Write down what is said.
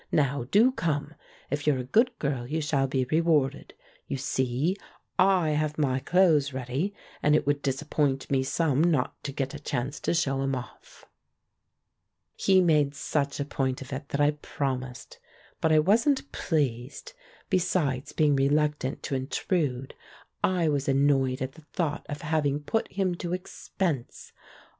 Now, do come ! If you're a good girl 3^ou shall be rewarded. You see I have my clothes ready, and it would disappoint me some not to get a chance to show 'em off." He made such a point of it that I promised. But I wasn't pleased. Besides being reluctant to intrude, I was annoyed at the thought of having put him to expense.